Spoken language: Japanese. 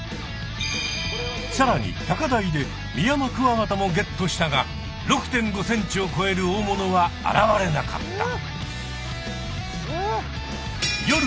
さらに高台でミヤマクワガタもゲットしたが６．５ｃｍをこえる大物は現れなかった。